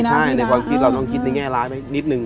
ใช่ในความคิดเราต้องคิดในแง่ร้ายไหมนิดนึง